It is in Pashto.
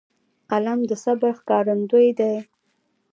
قلم د صبر ښکارندوی دی